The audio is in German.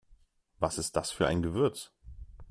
Was ist das für ein Gewürz?